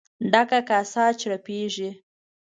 ډکه کاسه چړپېږي.